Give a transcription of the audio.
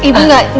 ibu gak ada janji